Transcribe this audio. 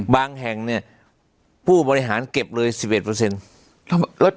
บางแห่งเนี่ยผู้บริหารเก็บเลยสิบเอ็ดเปอร์เซ็นต์